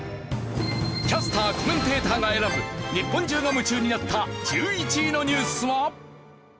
キャスターコメンテーターが選ぶ日本中が夢中になった１１位のニュースは？